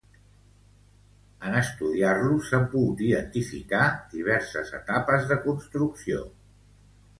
En estudiar-los, s'han pogut identificar diverses etapes de construcció.